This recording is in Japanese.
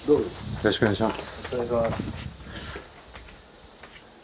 よろしくお願いします。